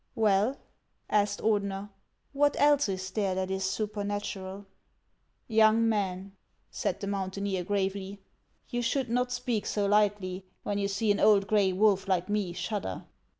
" Well," asked Ordener, " what else is there that is supernatural ?"" Young man," said the mountaineer, gravely, " you should not speak so lightly ; when you see an old gray wolf like me, shudder."